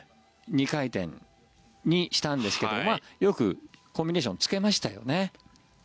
２回転にしたんですけどよくコンビネーションをつけましたよね。